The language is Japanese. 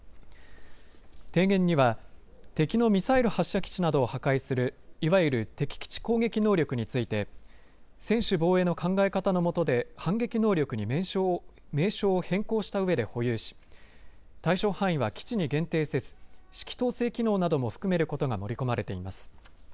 提言には、敵のミサイル発射基地などを破壊するいわゆる敵基地攻撃能力について専守防衛の考え方のもとで反撃能力に名称を変更したうえで保有し対象範囲は基地に限定せず指揮統制機能なども含めることが盛り込まれています。